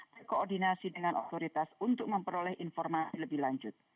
berkoordinasi dengan otoritas untuk memperoleh informasi lebih lanjut